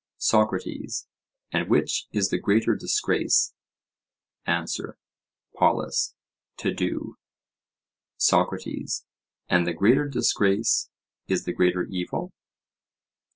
SOCRATES: And which is the greater disgrace?—Answer. POLUS: To do. SOCRATES: And the greater disgrace is the greater evil?